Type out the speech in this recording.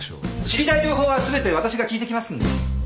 知りたい情報はすべてわたしが聞いてきますんで。